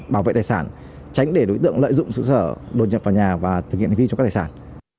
bảo vệ tài sản tránh để đối tượng lợi dụng sự sơ hở đột nhập vào nhà và thực hiện hành vi trộm cắt tài sản